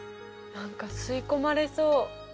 何か吸い込まれそう。